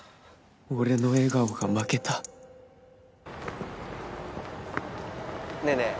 俺の笑顔が負けたねえねえ